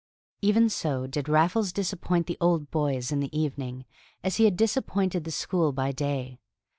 Even so did Raffles disappoint the Old Boys in the evening as he had disappointed the school by day.